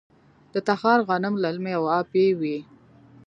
د تخار غنم للمي او ابي وي.